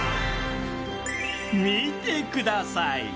見てください。